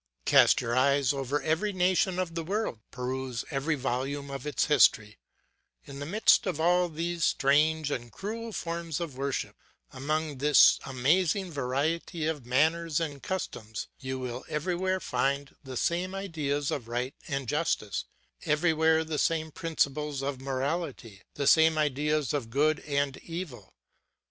Cast your eyes over every nation of the world; peruse every volume of its history; in the midst of all these strange and cruel forms of worship, among this amazing variety of manners and customs, you will everywhere find the same ideas of right and justice; everywhere the same principles of morality, the same ideas of good and evil.